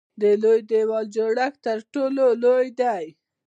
د لوی دیوال جوړښت تر ټولو لوی دی.